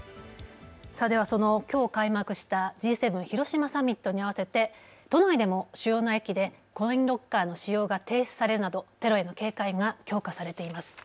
ではそのきょう開幕したＧ７広島サミットに合わせて都内でも主要な駅でコインロッカーの使用が停止されるなどテロへの警戒が強化されています。